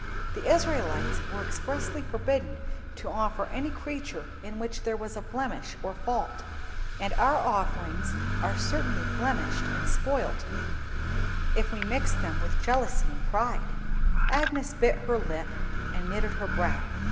The Israelites were expressly forbidden to offer any creature in which there was a blemish or fault, and our offerings are certainly blemished and spoilt if we mix with them jealousy and pride." Agnes bit her lip and knitted her brow.